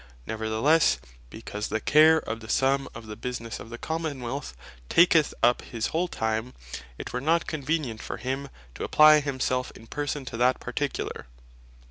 Neverthelesse, because the care of the summe of the businesse of the Common wealth taketh up his whole time, it were not convenient for him to apply himself in Person to that particular.